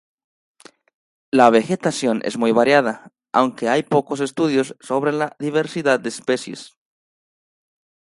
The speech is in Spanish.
La vegetación es muy variada, aunque hay pocos estudios sobre la diversidad de especies.